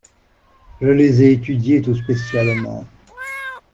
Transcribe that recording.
Je les ai étudiés tout spécialement.